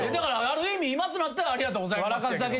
ある意味今となってはありがとうございます。